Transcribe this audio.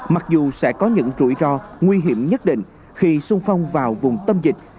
mặc dù sẽ có những rủi ro nguy hiểm nhất định khi sung phong vào vùng tâm dịch